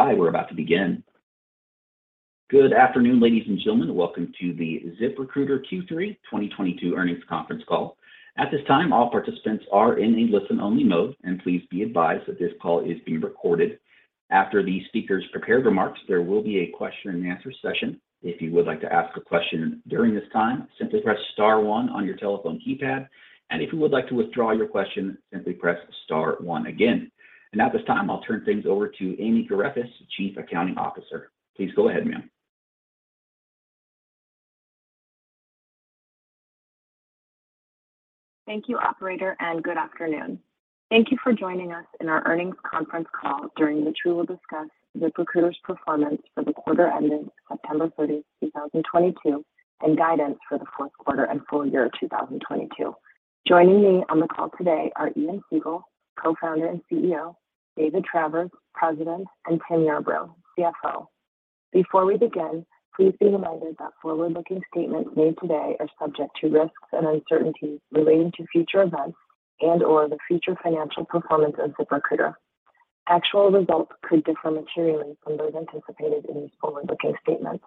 Please stand by. We're about to begin. Good afternoon, ladies and gentlemen. Welcome to the ZipRecruiter Q3 2022 Earnings Conference Call. At this time, all participants are in a listen-only mode, and please be advised that this call is being recorded. After the speakers' prepared remarks, there will be a question and answer session. If you would like to ask a question during this time, simply press star one on your telephone keypad. If you would like to withdraw your question, simply press star one again. At this time, I'll turn things over to Amy Garefis, Chief Accounting Officer. Please go ahead, ma'am. Thank you, operator, and good afternoon. Thank you for joining us in our earnings conference call during which we will discuss ZipRecruiter's performance for the quarter ending September 30, 2022, and guidance for the fourth quarter and full year of 2022. Joining me on the call today are Ian Siegel, Co-Founder and CEO, David Travers, President, and Tim Yarbrough, CFO. Before we begin, please be reminded that forward-looking statements made today are subject to risks and uncertainties relating to future events and/or the future financial performance of ZipRecruiter. Actual results could differ materially from those anticipated in these forward-looking statements.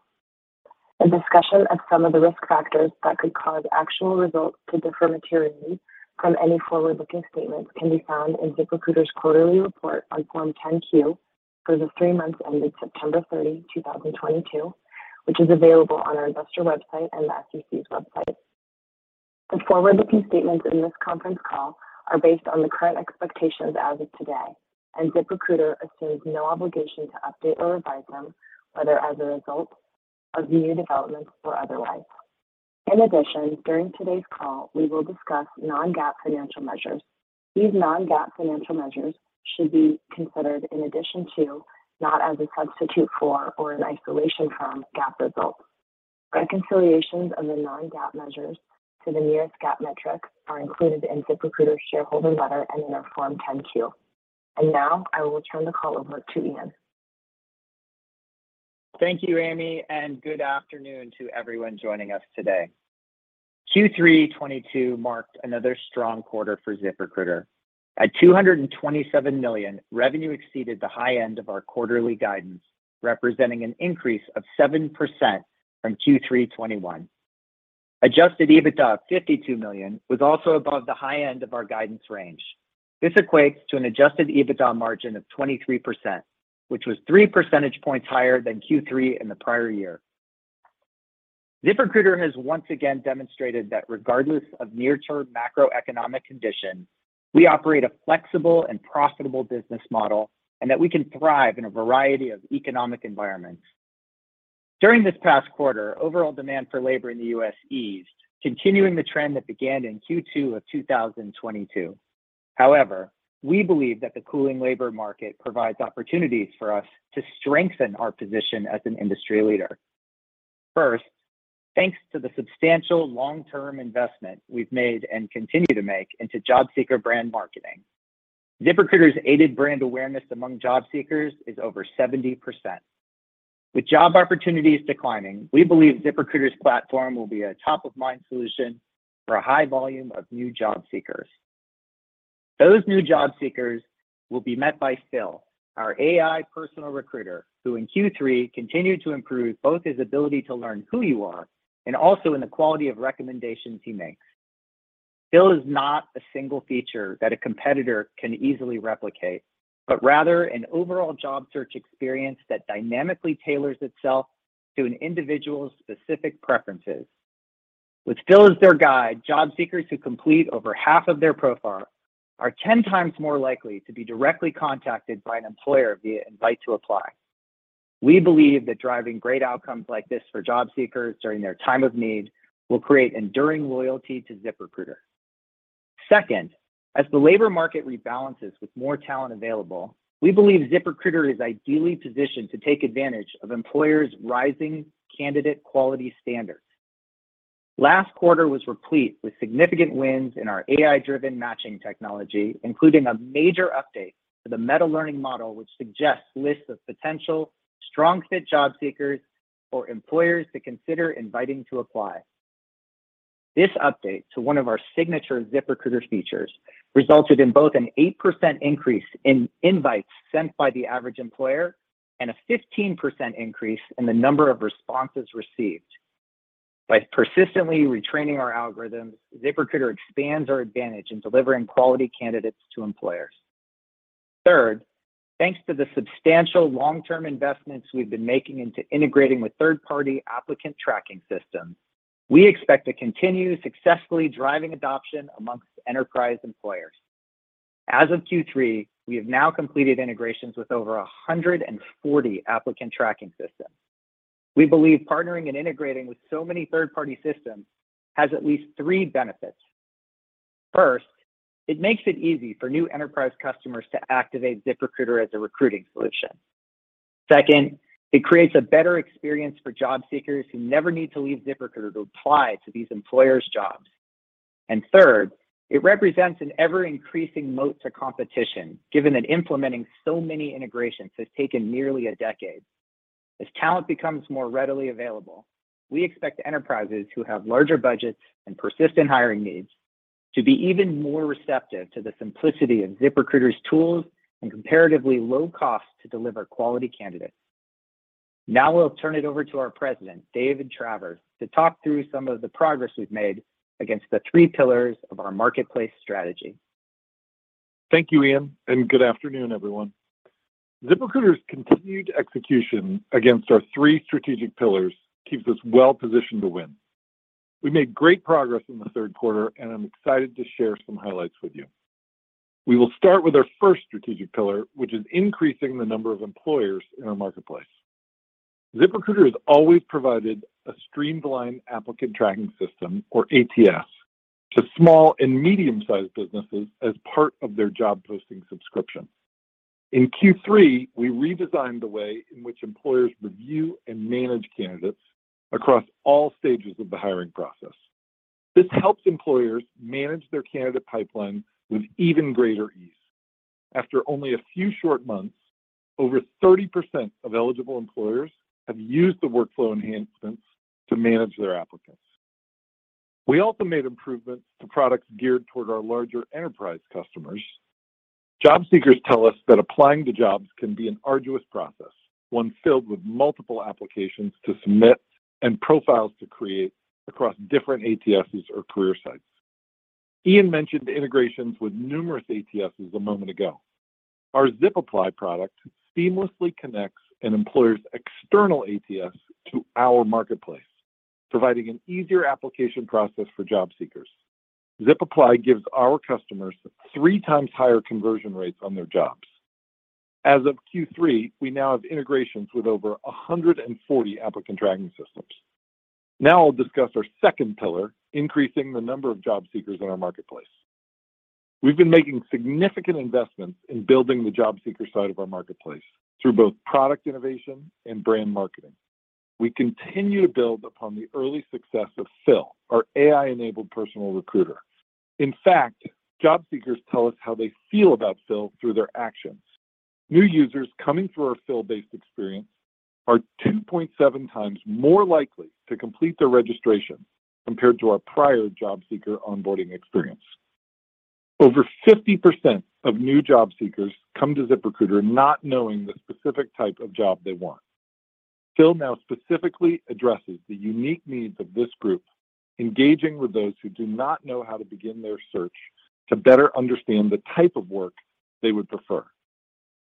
A discussion of some of the risk factors that could cause actual results to differ materially from any forward-looking statements can be found in ZipRecruiter's quarterly report on Form 10-Q for the three months ended September 30, 2022, which is available on our investor website and the SEC's website. The forward-looking statements in this conference call are based on the current expectations as of today, and ZipRecruiter assumes no obligation to update or revise them, whether as a result of new developments or otherwise. In addition, during today's call, we will discuss non-GAAP financial measures. These non-GAAP financial measures should be considered in addition to, not as a substitute for or an isolation from, GAAP results. Reconciliations of the non-GAAP measures to the nearest GAAP metric are included in ZipRecruiter's shareholder letter and in our Form 10-Q. Now, I will turn the call over to Ian. Thank you, Amy, and good afternoon to everyone joining us today. Q3 2022 marked another strong quarter for ZipRecruiter. At $227 million, revenue exceeded the high end of our quarterly guidance, representing an increase of 7% from Q3 2021. Adjusted EBITDA of $52 million was also above the high end of our guidance range. This equates to an adjusted EBITDA margin of 23%, which was three percentage points higher than Q3 in the prior year. ZipRecruiter has once again demonstrated that regardless of near-term macroeconomic conditions, we operate a flexible and profitable business model, and that we can thrive in a variety of economic environments. During this past quarter, overall demand for labor in the U.S. eased, continuing the trend that began in Q2 of 2022. However, we believe that the cooling labor market provides opportunities for us to strengthen our position as an industry leader. First, thanks to the substantial long-term investment we've made and continue to make into job seeker brand marketing, ZipRecruiter's aided brand awareness among job seekers is over 70%. With job opportunities declining, we believe ZipRecruiter's platform will be a top-of-mind solution for a high volume of new job seekers. Those new job seekers will be met by Phil, our AI personal recruiter, who in Q3, continued to improve both his ability to learn who you are and also in the quality of recommendations he makes. Phil is not a single feature that a competitor can easily replicate, but rather an overall job search experience that dynamically tailors itself to an individual's specific preferences. With Phil as their guide, job seekers who complete over half of their profile are 10 times more likely to be directly contacted by an employer via Invite to Apply. We believe that driving great outcomes like this for job seekers during their time of need will create enduring loyalty to ZipRecruiter. Second, as the labor market rebalances with more talent available, we believe ZipRecruiter is ideally positioned to take advantage of employers' rising candidate quality standards. Last quarter was replete with significant wins in our AI-driven matching technology, including a major update to the meta-learning model, which suggests lists of potential strong fit job seekers for employers to consider inviting to apply. This update to one of our signature ZipRecruiter features resulted in both an 8% increase in invites sent by the average employer and a 15% increase in the number of responses received. By persistently retraining our algorithms, ZipRecruiter expands our advantage in delivering quality candidates to employers. Third, thanks to the substantial long-term investments we've been making into integrating with third-party applicant tracking systems, we expect to continue successfully driving adoption amongst enterprise employers. As of Q3, we have now completed integrations with over 140 applicant tracking systems. We believe partnering and integrating with so many third-party systems has at least three benefits. First, it makes it easy for new enterprise customers to activate ZipRecruiter as a recruiting solution. Second, it creates a better experience for job seekers who never need to leave ZipRecruiter to apply to these employers' jobs. Third, it represents an ever-increasing moat to competition, given that implementing so many integrations has taken nearly a decade. As talent becomes more readily available, we expect enterprises who have larger budgets and persistent hiring needs to be even more receptive to the simplicity of ZipRecruiter's tools and comparatively low cost to deliver quality candidates. Now we'll turn it over to our President, Dave Travers, to talk through some of the progress we've made against the three pillars of our marketplace strategy. Thank you, Ian, and good afternoon, everyone. ZipRecruiter's continued execution against our three strategic pillars keeps us well positioned to win. We made great progress in the third quarter, and I'm excited to share some highlights with you. We will start with our first strategic pillar, which is increasing the number of employers in our marketplace. ZipRecruiter has always provided a streamlined applicant tracking system, or ATS, to small and medium-sized businesses as part of their job posting subscription. In Q3, we redesigned the way in which employers review and manage candidates across all stages of the hiring process. This helps employers manage their candidate pipeline with even greater ease. After only a few short months, over 30% of eligible employers have used the workflow enhancements to manage their applicants. We also made improvements to products geared toward our larger enterprise customers. Job seekers tell us that applying to jobs can be an arduous process, one filled with multiple applications to submit and profiles to create across different ATSs or career sites. Ian mentioned the integrations with numerous ATSs a moment ago. Our ZipApply product seamlessly connects an employer's external ATS to our marketplace, providing an easier application process for job seekers. ZipApply gives our customers three times higher conversion rates on their jobs. As of Q3, we now have integrations with over 140 applicant tracking systems. Now I'll discuss our second pillar, increasing the number of job seekers in our marketplace. We've been making significant investments in building the job seeker side of our marketplace through both product innovation and brand marketing. We continue to build upon the early success of Phil, our AI-enabled personal recruiter. In fact, job seekers tell us how they feel about Phil through their actions. New users coming through our Phil-based experience are 2.7x more likely to complete their registration compared to our prior job seeker onboarding experience. Over 50% of new job seekers come to ZipRecruiter not knowing the specific type of job they want. Phil now specifically addresses the unique needs of this group, engaging with those who do not know how to begin their search to better understand the type of work they would prefer.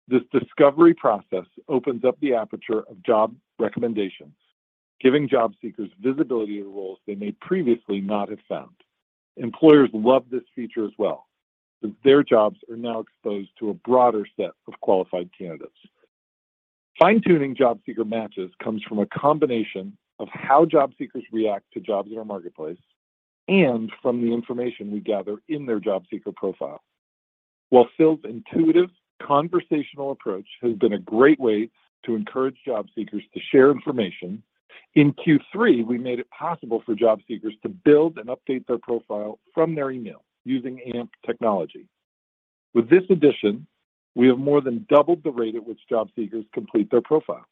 This discovery process opens up the aperture of job recommendations, giving job seekers visibility of roles they may previously not have found. Employers love this feature as well, since their jobs are now exposed to a broader set of qualified candidates. Fine-tuning job seeker matches comes from a combination of how job seekers react to jobs in our marketplace and from the information we gather in their job seeker profile. While Phil's intuitive conversational approach has been a great way to encourage job seekers to share information, in Q3, we made it possible for job seekers to build and update their profile from their email using AMP technology. With this addition, we have more than doubled the rate at which job seekers complete their profiles.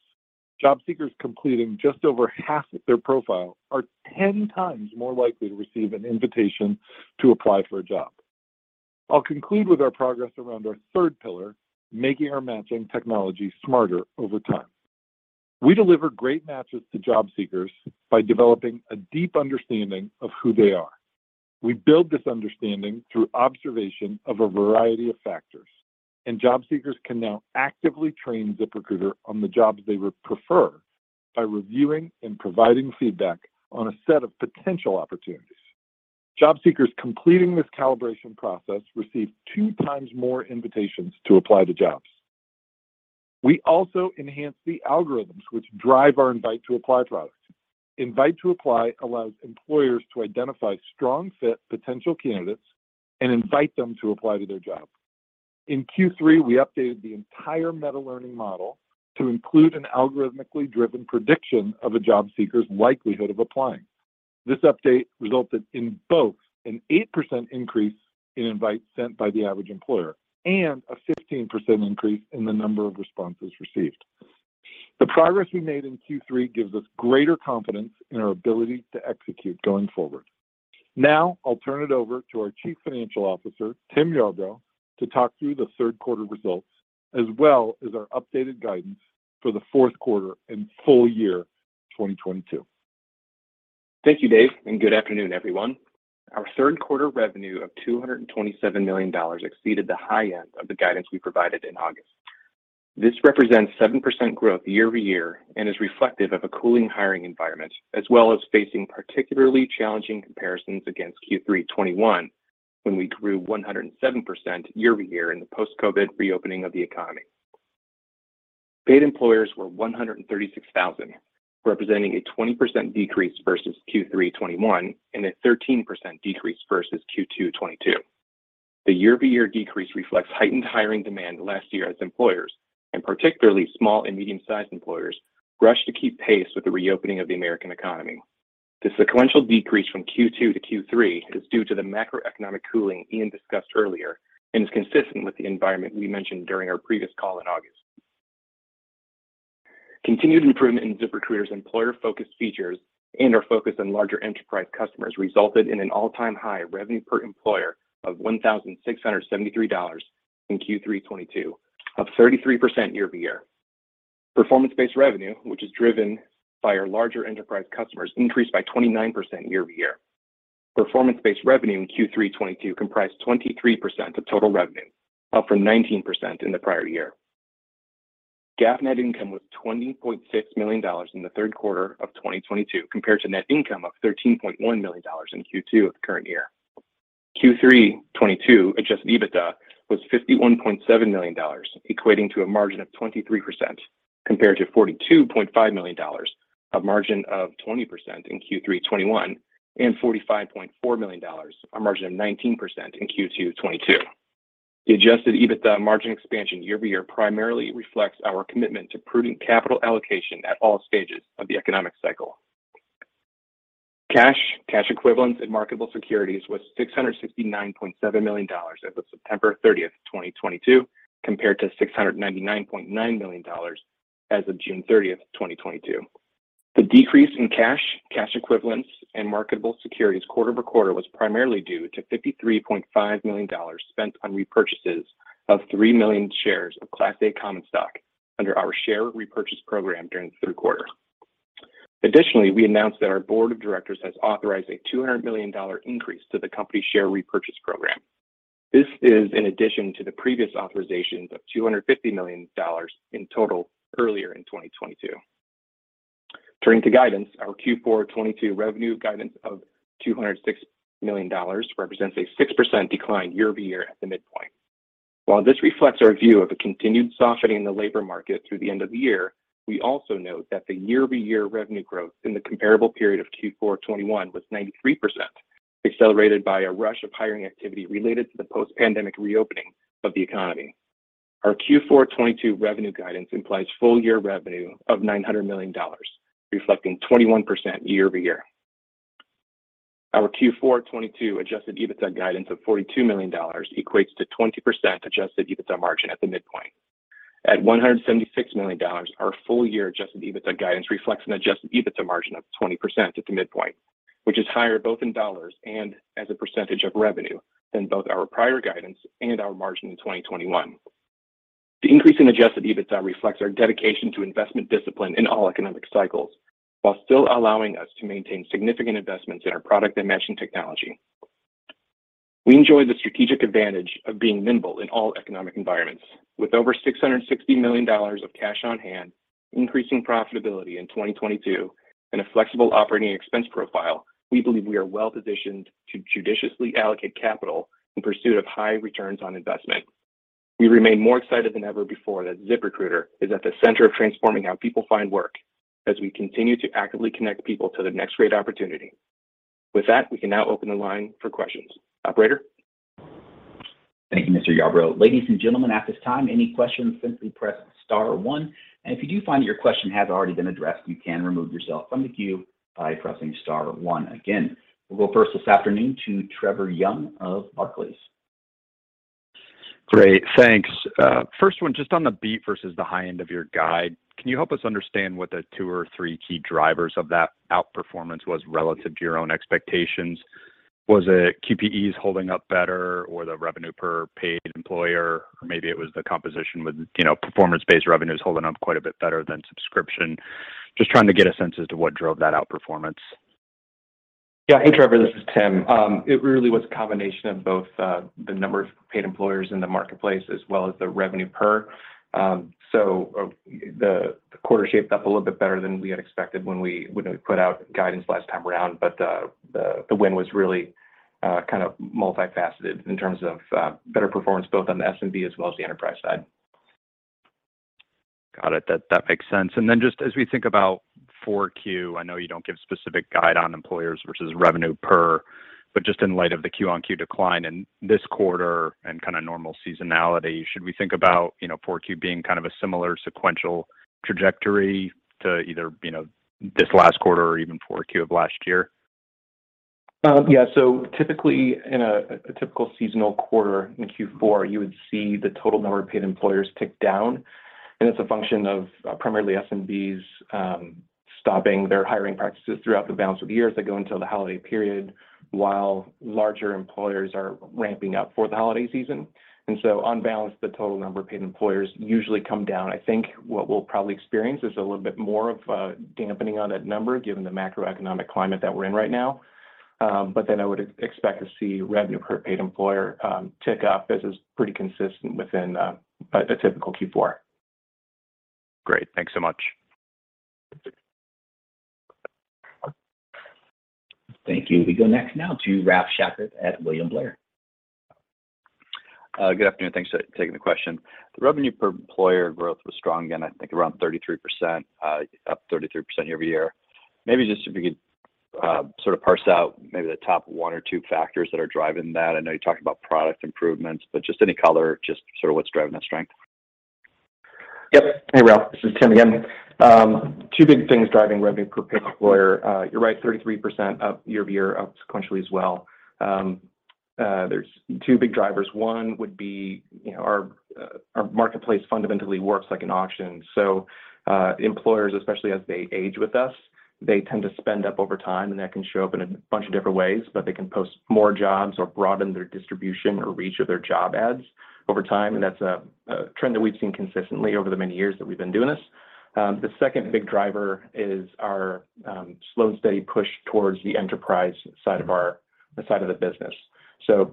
Job seekers completing just over half of their profile are 10 times more likely to receive an invitation to apply for a job. I'll conclude with our progress around our third pillar, making our matching technology smarter over time. We deliver great matches to job seekers by developing a deep understanding of who they are. We build this understanding through observation of a variety of factors, and job seekers can now actively train ZipRecruiter on the jobs they would prefer by reviewing and providing feedback on a set of potential opportunities. Job seekers completing this calibration process receive two times more invitations to apply to jobs. We also enhance the algorithms which drive our Invite to Apply product. Invite to Apply allows employers to identify strong fit potential candidates and invite them to apply to their job. In Q3, we updated the entire meta-learning model to include an algorithmically-driven prediction of a job seeker's likelihood of applying. This update resulted in both an 8% increase in invites sent by the average employer and a 15% increase in the number of responses received. The progress we made in Q3 gives us greater confidence in our ability to execute going forward. Now, I'll turn it over to our Chief Financial Officer, Tim Yarbrough, to talk through the third quarter results as well as our updated guidance for the fourth quarter and full year 2022. Thank you, Dave, and good afternoon, everyone. Our third quarter revenue of $227 million exceeded the high end of the guidance we provided in August. This represents 7% growth year-over-year and is reflective of a cooling hiring environment as well as facing particularly challenging comparisons against Q3 2021, when we grew 107% year-over-year in the post-COVID reopening of the economy. Paid employers were 136,000, representing a 20% decrease versus Q3 2021 and a 13% decrease versus Q2 2022. The year-over-year decrease reflects heightened hiring demand last year as employers, and particularly small and medium-sized employers, rushed to keep pace with the reopening of the American economy. The sequential decrease from Q2 to Q3 is due to the macroeconomic cooling Ian discussed earlier, and is consistent with the environment we mentioned during our previous call in August. Continued improvement in ZipRecruiter's employer-focused features and our focus on larger enterprise customers resulted in an all-time high revenue per employer of $1,673 in Q3 2022, up 33% year-over-year. Performance-based revenue, which is driven by our larger enterprise customers, increased by 29% year-over-year. Performance-based revenue in Q3 2022 comprised 23% of total revenue, up from 19% in the prior year. GAAP net income was $20.6 million in the third quarter of 2022, compared to net income of $13.1 million in Q2 of the current year. Q3 2022 adjusted EBITDA was $51.7 million, equating to a margin of 23%, compared to $42.5 million, a margin of 20% in Q3 2021, and $45.4 million, a margin of 19% in Q2 2022. The adjusted EBITDA margin expansion year-over-year primarily reflects our commitment to prudent capital allocation at all stages of the economic cycle. Cash, cash equivalents, and marketable securities was $669.7 million as of September 30th, 2022, compared to $699.9 million as of June 30th, 2022. The decrease in cash equivalents, and marketable securities quarter-over-quarter was primarily due to $53.5 million spent on repurchases of 3 million shares of Class A common stock under our share repurchase program during the third quarter. Additionally, we announced that our board of directors has authorized a $200 million increase to the company share repurchase program. This is in addition to the previous authorizations of $250 million in total earlier in 2022. Turning to guidance, our Q4 2022 revenue guidance of $206 million represents a 6% decline year-over-year at the midpoint. While this reflects our view of a continued softening in the labor market through the end of the year, we also note that the year-over-year revenue growth in the comparable period of Q4 2021 was 93%, accelerated by a rush of hiring activity related to the post-pandemic reopening of the economy. Our Q4 2022 revenue guidance implies full year revenue of $900 million, reflecting 21% year-over-year. Our Q4 2022 Adjusted EBITDA guidance of $42 million equates to 20% Adjusted EBITDA margin at the midpoint. At $176 million, our full year Adjusted EBITDA guidance reflects an Adjusted EBITDA margin of 20% at the midpoint, which is higher both in dollars and as a percentage of revenue than both our prior guidance and our margin in 2021. The increase in Adjusted EBITDA reflects our dedication to investment discipline in all economic cycles, while still allowing us to maintain significant investments in our product and matching technology. We enjoy the strategic advantage of being nimble in all economic environments. With over $660 million of cash on hand, increasing profitability in 2022, and a flexible operating expense profile, we believe we are well-positioned to judiciously allocate capital in pursuit of high returns on investment. We remain more excited than ever before that ZipRecruiter is at the center of transforming how people find work as we continue to actively connect people to their next great opportunity. With that, we can now open the line for questions. Operator? Thank you, Mr. Yarbrough. Ladies and gentlemen, at this time, any questions, simply press star one. If you do find that your question has already been addressed, you can remove yourself from the queue by pressing star one again. We'll go first this afternoon to Trevor Young of Barclays. Great, thanks. First one, just on the beat versus the high end of your guide, can you help us understand what the two or three key drivers of that outperformance was relative to your own expectations? Was it QPEs holding up better or the revenue per paid employer, or maybe it was the composition with, you know, performance-based revenues holding up quite a bit better than subscription? Just trying to get a sense as to what drove that outperformance. Yeah. Hey, Trevor, this is Tim. It really was a combination of both, the number of paid employers in the marketplace as well as the revenue per. The quarter shaped up a little bit better than we had expected when we put out guidance last time around. The win was really kind of multifaceted in terms of better performance both on the SMB as well as the enterprise side. Got it. That makes sense. Then just as we think about Q4, I know you don't give specific guide on employers versus revenue per, but just in light of the quarter-over-quarter decline in this quarter and kind of normal seasonality, should we think about, you know, Q4 being kind of a similar sequential trajectory to either, you know, this last quarter or even Q4 of last year? Yeah. Typically in a typical seasonal quarter in Q4, you would see the total number of paid employers tick down, and it's a function of primarily SMBs stopping their hiring practices throughout the balance of the year as they go into the holiday period, while larger employers are ramping up for the holiday season. On balance, the total number of paid employers usually come down. I think what we'll probably experience is a little bit more of a dampening on that number given the macroeconomic climate that we're in right now. I would expect to see revenue per paid employer tick up, as is pretty consistent within a typical Q4. Great. Thanks so much. Thank you. We go next now to Ralph Schackart at William Blair. Good afternoon. Thanks for taking the question. The revenue per employer growth was strong, again, I think around 33%, up 33% year-over-year. Maybe just if you could sort of parse out maybe the top one or two factors that are driving that. I know you talked about product improvements, but just any color, just sort of what's driving that strength? Yep. Hey, Ralph, this is Tim again. Two big things driving revenue per paying employer. You're right, 33% up year-over-year, up sequentially as well. There's two big drivers. One would be, you know, our marketplace fundamentally works like an auction. Employers, especially as they age with us, they tend to spend up over time, and that can show up in a bunch of different ways, but they can post more jobs or broaden their distribution or reach of their job ads over time. That's a trend that we've seen consistently over the many years that we've been doing this. The second big driver is our slow and steady push towards the enterprise side of the business.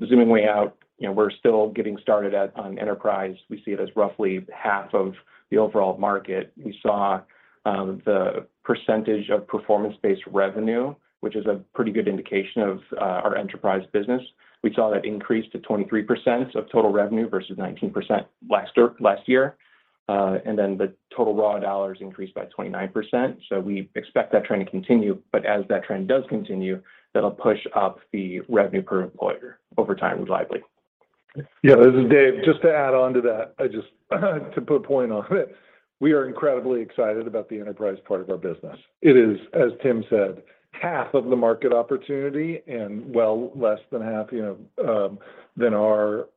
Zooming way out, you know, we're still getting started on enterprise. We see it as roughly half of the overall market. We saw the percentage of performance-based revenue, which is a pretty good indication of our enterprise business. We saw that increase to 23% of total revenue versus 19% last year. The total raw dollars increased by 29%. We expect that trend to continue, but as that trend does continue, that'll push up the revenue per employer over time, likely. Yeah, this is Dave. Just to add on to that, I just want to put a point on it. We are incredibly excited about the enterprise part of our business. It is, as Tim said, half of the market opportunity and well less than half, you know, than our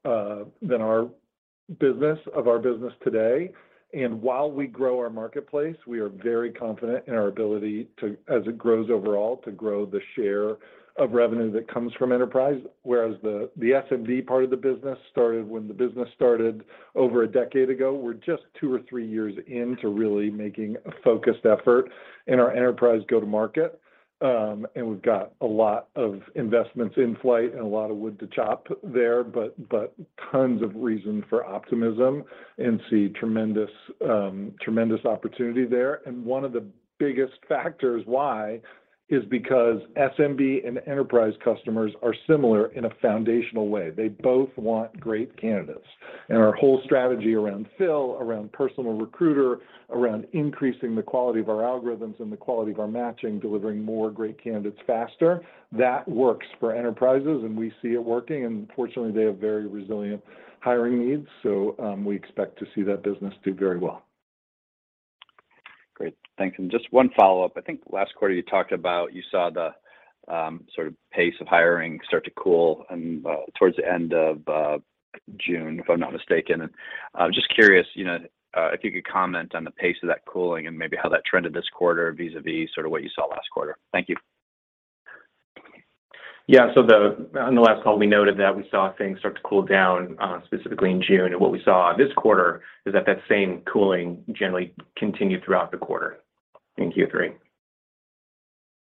business of our business today. While we grow our marketplace, we are very confident in our ability to, as it grows overall, grow the share of revenue that comes from enterprise. Whereas the SMB part of the business started when the business started over a decade ago. We're just two or three years in to really making a focused effort in our enterprise go-to-market. We've got a lot of investments in flight and a lot of wood to chop there, but tons of reason for optimism and we see tremendous opportunity there. One of the biggest factors why is because SMB and enterprise customers are similar in a foundational way. They both want great candidates. Our whole strategy around Phil, around Personal Recruiter, around increasing the quality of our algorithms and the quality of our matching, delivering more great candidates faster, that works for enterprises, and we see it working. Fortunately, they have very resilient hiring needs. We expect to see that business do very well. Great. Thanks. Just one follow-up. I think last quarter you talked about, you saw the sort of pace of hiring start to cool and towards the end of June, if I'm not mistaken. I'm just curious, you know, if you could comment on the pace of that cooling and maybe how that trended this quarter vis-a-vis sort of what you saw last quarter. Thank you. On the last call, we noted that we saw things start to cool down, specifically in June. What we saw this quarter is that the same cooling generally continued throughout the quarter in Q3.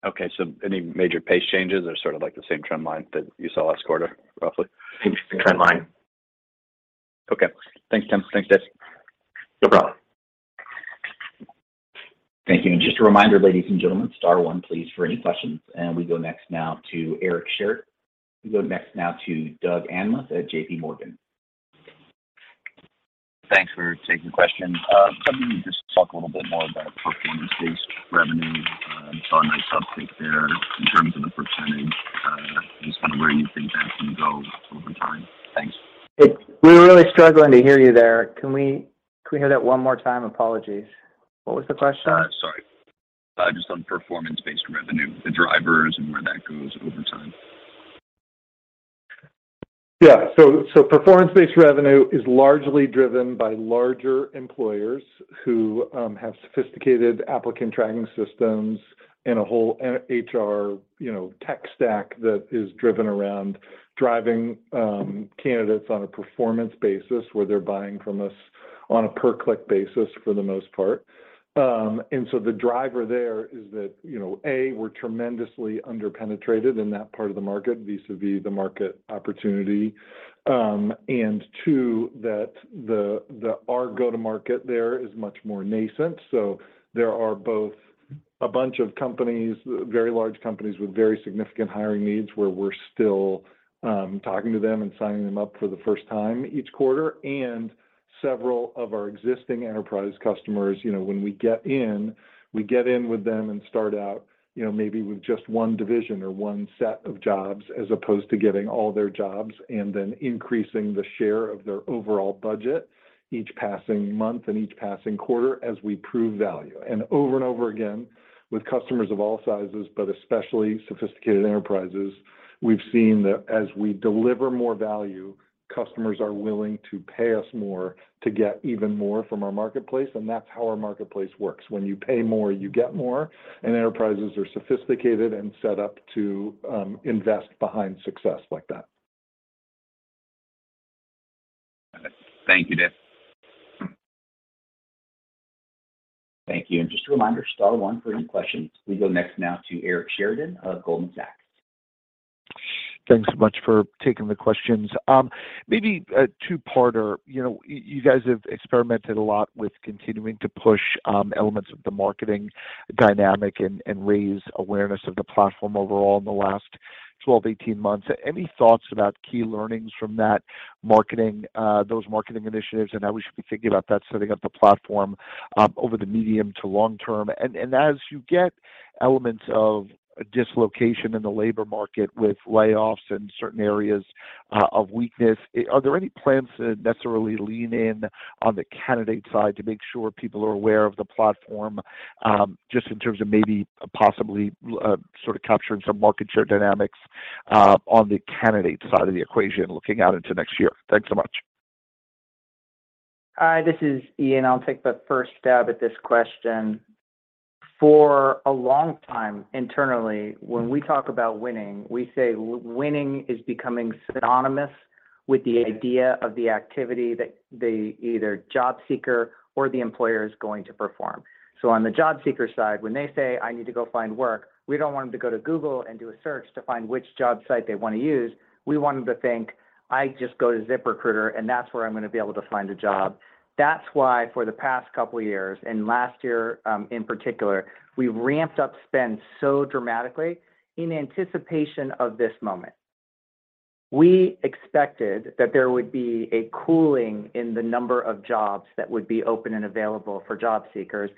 Okay. Any major pace changes or sort of like the same trend line that you saw last quarter, roughly? Same trend line. Okay. Thanks, Tim. Thanks, Dave. No problem. Thank you. Just a reminder, ladies and gentlemen, star one, please, for any questions. We go next now to Eric Sheridan. We go next now to Doug Anmuth at JPMorgan. Thanks for taking the question. Can you just talk a little bit more about performance-based revenue? Saw a nice update there in terms of the percentage, and just kind of where you think that can go over time? Thanks. We're really struggling to hear you there. Can we hear that one more time? Apologies. What was the question? Just on performance-based revenue, the drivers and where that goes over time? Performance-based revenue is largely driven by larger employers who have sophisticated applicant tracking systems and a whole HR, you know, tech stack that is driven around driving candidates on a performance basis where they're buying from us on a per click basis for the most part. The driver there is that, you know, A, we're tremendously under-penetrated in that part of the market vis-a-vis the market opportunity. Two, that the our go-to-market there is much more nascent. There are both a bunch of companies, very large companies with very significant hiring needs, where we're still talking to them and signing them up for the first time each quarter. Several of our existing enterprise customers, you know, when we get in, we get in with them and start out, you know, maybe with just one division or one set of jobs as opposed to getting all their jobs and then increasing the share of their overall budget each passing month and each passing quarter as we prove value. Over and over again with customers of all sizes, but especially sophisticated enterprises, we've seen that as we deliver more value, customers are willing to pay us more to get even more from our marketplace, and that's how our marketplace works. When you pay more, you get more, and enterprises are sophisticated and set up to invest behind success like that. Thank you, David. Thank you. Just a reminder, star one for any questions. We go next now to Eric Sheridan of Goldman Sachs. Thanks so much for taking the questions. Maybe a two-parter. You know, you guys have experimented a lot with continuing to push elements of the marketing dynamic and raise awareness of the platform overall in the last 12, 18 months. Any thoughts about key learnings from that marketing, those marketing initiatives and how we should be thinking about that setting up the platform over the medium to long term. As you get elements of a dislocation in the labor market with layoffs in certain areas of weakness, are there any plans to necessarily lean in on the candidate side to make sure people are aware of the platform, just in terms of maybe possibly sort of capturing some market share dynamics on the candidate side of the equation looking out into next year? Thanks so much. This is Ian. I'll take the first stab at this question. For a long time internally, when we talk about winning, we say winning is becoming synonymous with the idea of the activity that the either job seeker or the employer is going to perform. So on the job seeker side, when they say, "I need to go find work," we don't want them to go to Google and do a search to find which job site they want to use. We want them to think, "I just go to ZipRecruiter, and that's where I'm gonna be able to find a job." That's why for the past couple years, and last year, in particular, we ramped up spend so dramatically in anticipation of this moment. We expected that there would be a cooling in the number of jobs that would be open and available for job seekers,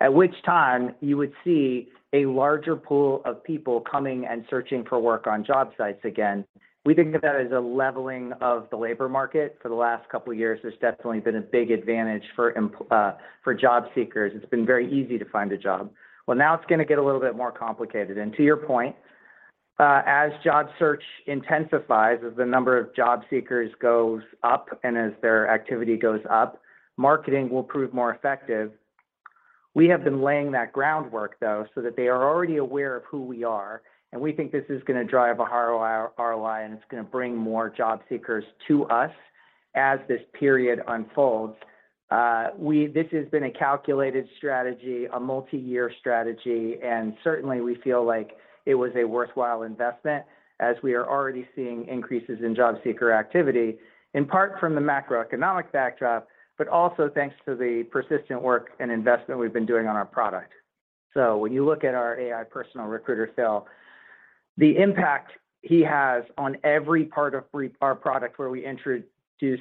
at which time you would see a larger pool of people coming and searching for work on job sites again. We think of that as a leveling of the labor market. For the last couple years, there's definitely been a big advantage for job seekers. It's been very easy to find a job. Well, now it's gonna get a little bit more complicated. To your point, as job search intensifies, as the number of job seekers goes up, and as their activity goes up, marketing will prove more effective. We have been laying that groundwork, though, so that they are already aware of who we are, and we think this is gonna drive a higher ROI, and it's gonna bring more job seekers to us as this period unfolds. This has been a calculated strategy, a multi-year strategy, and certainly we feel like it was a worthwhile investment, as we are already seeing increases in job seeker activity, in part from the macroeconomic backdrop, but also thanks to the persistent work and investment we've been doing on our product. When you look at our AI personal recruiter, Phil, the impact he has on every part of our product where we introduce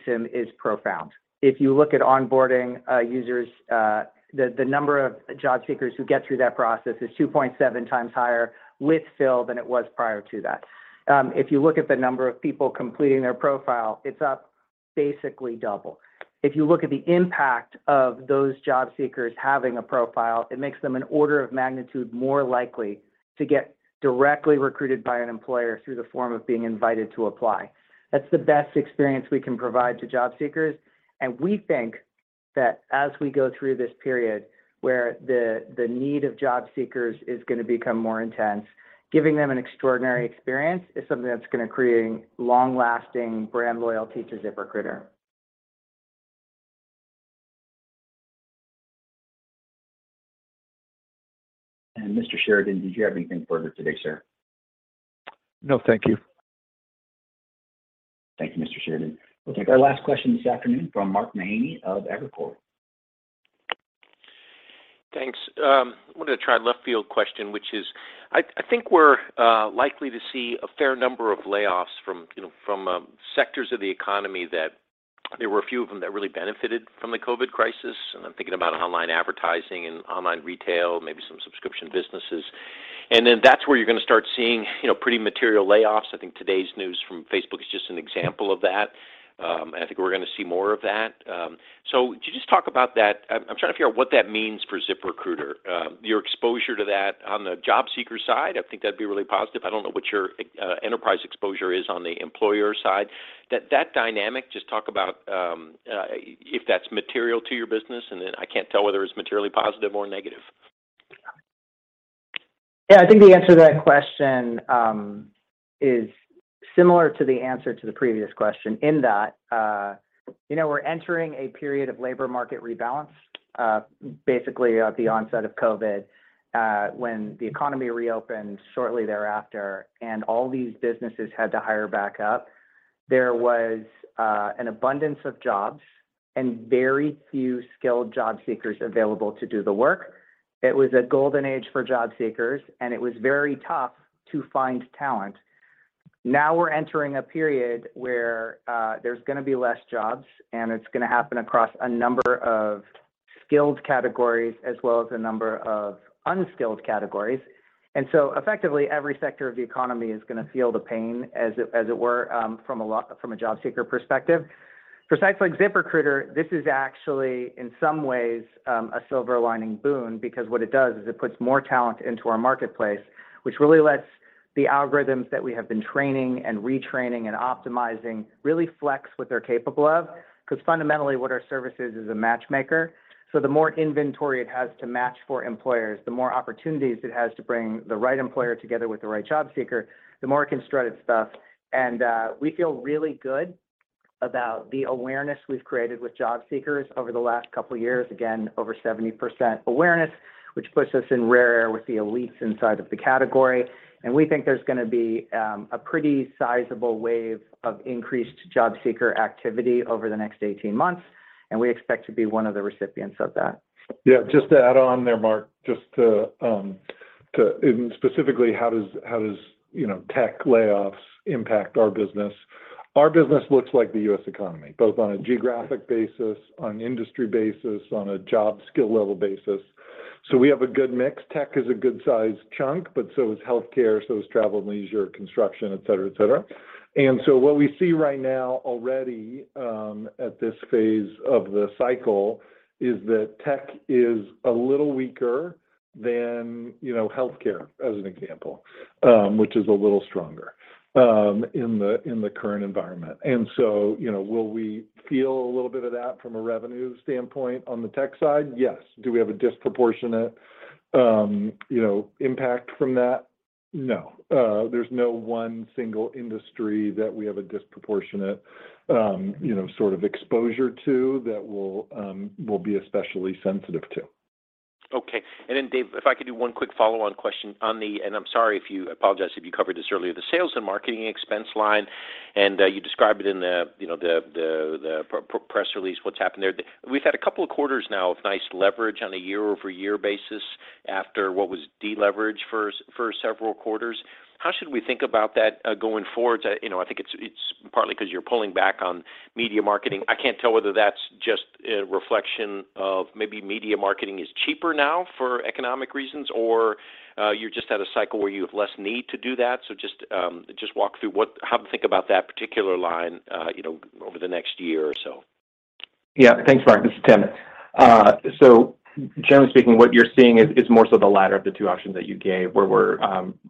him is profound. If you look at onboarding users, the number of job seekers who get through that process is 2.7xs higher with Phil than it was prior to that. If you look at the number of people completing their profile, it's up basically double. If you look at the impact of those job seekers having a profile, it makes them an order of magnitude more likely to get directly recruited by an employer through the form of being invited to apply. That's the best experience we can provide to job seekers, and we think that as we go through this period where the need of job seekers is gonna become more intense, giving them an extraordinary experience is something that's gonna create long-lasting brand loyalty to ZipRecruiter. Mr. Sheridan, did you have anything further today, sir? No, thank you. Thank you, Mr. Sheridan. We'll take our last question this afternoon from Mark Mahaney of Evercore. Thanks. I wanted to try a left field question, which is I think we're likely to see a fair number of layoffs from, you know, sectors of the economy that there were a few of them that really benefited from the COVID crisis. I'm thinking about online advertising and online retail, maybe some subscription businesses. Then that's where you're gonna start seeing, you know, pretty material layoffs. I think today's news from Facebook is just an example of that. I think we're gonna see more of that. Could you just talk about that? I'm trying to figure out what that means for ZipRecruiter. Your exposure to that on the job seeker side, I think that'd be really positive. I don't know what your enterprise exposure is on the employer side. That dynamic, just talk about if that's material to your business, and then I can't tell whether it's materially positive or negative. Yeah. I think the answer to that question is similar to the answer to the previous question in that, you know, we're entering a period of labor market rebalance. Basically at the onset of COVID, when the economy reopened shortly thereafter and all these businesses had to hire back up, there was an abundance of jobs and very few skilled job seekers available to do the work. It was a golden age for job seekers, and it was very tough to find talent. Now we're entering a period where there's gonna be less jobs, and it's gonna happen across a number of skilled categories as well as a number of unskilled categories. Effectively, every sector of the economy is gonna feel the pain, as it were, from a job seeker perspective. For sites like ZipRecruiter, this is actually, in some ways, a silver lining boon because what it does is it puts more talent into our marketplace, which really lets the algorithms that we have been training and retraining and optimizing really flex what they're capable of. 'Cause fundamentally what our service is a matchmaker. The more inventory it has to match for employers, the more opportunities it has to bring the right employer together with the right job seeker, the more it can strut its stuff. We feel really good about the awareness we've created with job seekers over the last couple years, again, over 70% awareness, which puts us in rare air with the elites inside of the category. We think there's gonna be a pretty sizable wave of increased job seeker activity over the next 18 months, and we expect to be one of the recipients of that. Yeah. Just to add on there, Mark. Specifically, how does, you know, tech layoffs impact our business? Our business looks like the U.S. economy, both on a geographic basis, on industry basis, on a job skill level basis, so we have a good mix. Tech is a good size chunk, but so is healthcare, so is travel and leisure, construction, et cetera. What we see right now already at this phase of the cycle is that tech is a little weaker than, you know, healthcare, as an example, which is a little stronger in the current environment. Will we feel a little bit of that from a revenue standpoint on the tech side? Yes. Do we have a disproportionate, you know, impact from that? No. There's no one single industry that we have a disproportionate, you know, sort of exposure to that we'll be especially sensitive to. Okay. Then Dave, if I could do one quick follow-on question on the sales and marketing expense line. I'm sorry if you already covered this earlier. You described it in the press release, what's happened there. We've had a couple of quarters now of nice leverage on a year-over-year basis after what was deleverage for several quarters. How should we think about that going forward? I think it's partly 'cause you're pulling back on media marketing. I can't tell whether that's just a reflection of maybe media marketing is cheaper now for economic reasons, or you just had a cycle where you have less need to do that. Just walk through what. How to think about that particular line, you know, over the next year or so. Yeah. Thanks, Mark. This is Tim. So generally speaking, what you're seeing is more so the latter of the two options that you gave, where we're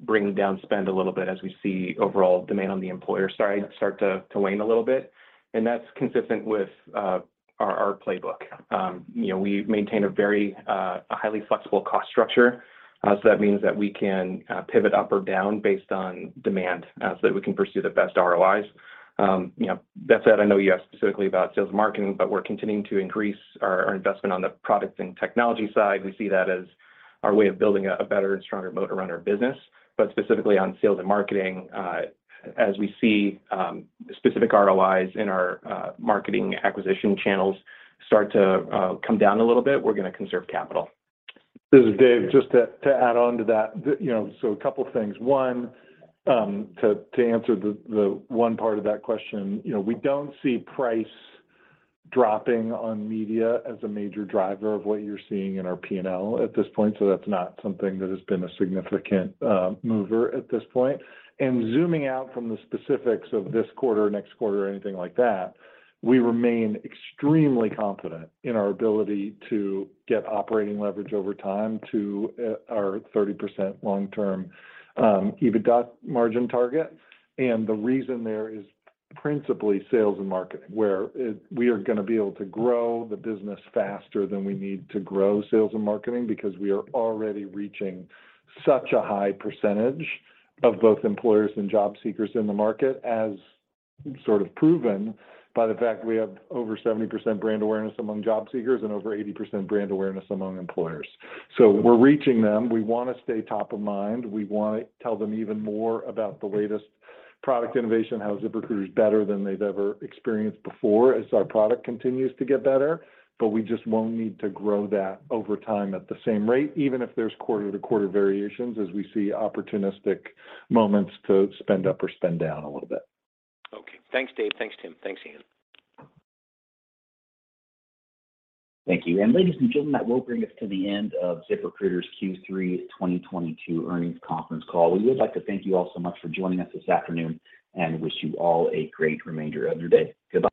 bringing down spend a little bit as we see overall demand on the employer side start to wane a little bit. That's consistent with our playbook. You know, we maintain a very highly flexible cost structure. So that means that we can pivot up or down based on demand, so that we can pursue the best ROIs. You know, that said, I know you asked specifically about sales marketing, but we're continuing to increase our investment on the products and technology side. We see that as our way of building a better and stronger moat around our business. Specifically on sales and marketing, as we see specific ROIs in our marketing acquisition channels start to come down a little bit, we're gonna conserve capital. This is Dave. Just to add on to that. You know, so a couple things. One, to answer the one part of that question, you know, we don't see price dropping on media as a major driver of what you're seeing in our P&L at this point, so that's not something that has been a significant mover at this point. Zooming out from the specifics of this quarter, next quarter, or anything like that, we remain extremely confident in our ability to get operating leverage over time to our 30% long-term EBITDA margin target. The reason is principally sales and marketing, we are gonna be able to grow the business faster than we need to grow sales and marketing because we are already reaching such a high percentage of both employers and job seekers in the market as sort of proven by the fact we have over 70% brand awareness among job seekers and over 80% brand awareness among employers. We're reaching them. We wanna stay top of mind. We wanna tell them even more about the latest product innovation, how ZipRecruiter is better than they've ever experienced before as our product continues to get better. We just won't need to grow that over time at the same rate, even if there's quarter to quarter variations as we see opportunistic moments to spend up or spend down a little bit. Okay. Thanks, Dave. Thanks, Tim. Thanks, Ian. Thank you. Ladies and gentlemen, that will bring us to the end of ZipRecruiter's Q3 2022 earnings conference call. We would like to thank you all so much for joining us this afternoon, and wish you all a great remainder of your day. Goodbye.